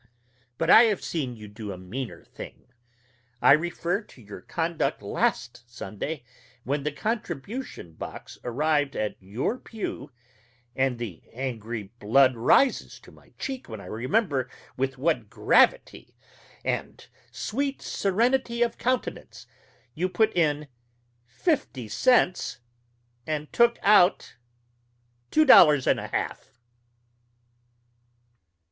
But I have seen you do a meaner thing. I refer to your conduct last Sunday, when the contribution box arrived at our pew and the angry blood rises to my cheek when I remember with what gravity and sweet serenity of countenance you put in fifty cents and took out two dollars and a half....